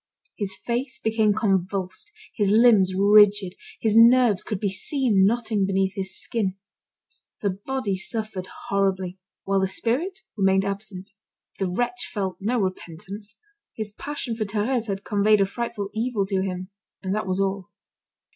His face became convulsed, his limbs rigid, his nerves could be seen knotting beneath his skin. The body suffered horribly, while the spirit remained absent. The wretch felt no repentance. His passion for Thérèse had conveyed a frightful evil to him, and that was all.